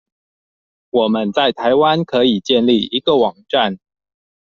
我們在台灣可以建立一個網站